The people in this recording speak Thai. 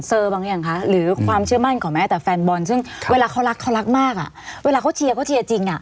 ซึ่งเวลาแฟนบอลเขารักเขารักมากอ่ะเวลาเขาเชียร์เขาเชียร์จริง